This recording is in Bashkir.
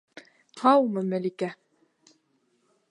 Һаумы, Мәликә!